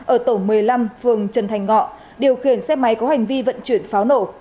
ở tổ một mươi năm phường trần thành ngọ điều khiển xe máy có hành vi vận chuyển pháo nổ